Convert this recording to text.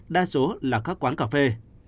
đa số là các quán cà phê